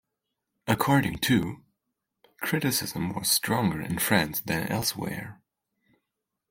According to ', criticism was stronger in France than elsewhere.